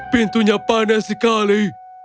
pintunya panas sekali